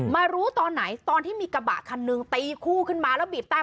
มารู้ตอนไหนตอนที่มีกระบะคันหนึ่งตีคู่ขึ้นมาแล้วบีบแต้ม